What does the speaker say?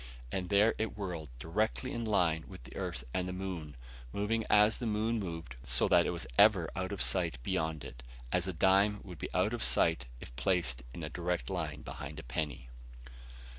And there it whirled, directly in a line with the earth and the moon, moving as the moon moved so that it was ever out of sight beyond it, as a dime would be out of sight if placed in a direct line behind a penny.